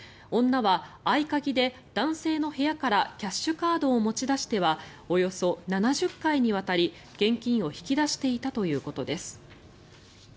女は合鍵で男性の部屋からキャッシュカードを持ち出してはおよそ７０回にわたり現金を引き出していたということです。